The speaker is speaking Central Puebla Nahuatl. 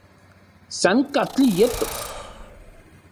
San katli yetos